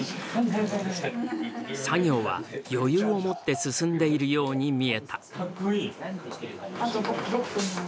作業は余裕を持って進んでいるように見えた。